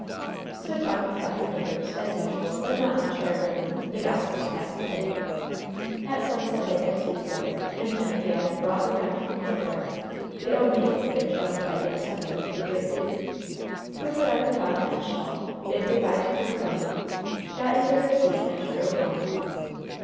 So, talking about their neighbors, as usual, but not uncharitably, the gossips passed the day. At simset they had tea together; and then Gad brought around the mule cart — ^the only equipage owned by the descendant of the great duke — who put on her bonnet and shawl, bid good by to her crony, got into her seat and drove homeward.